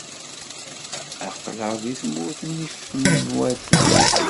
Aql-aɣ deg Tmurt n Yifinwaten.